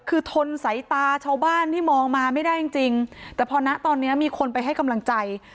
คือทนสายตาชาวบ้านที่มองมาไม่ได้จริงจริงแต่พอนะตอนนี้มีคนไปให้กำลังใจ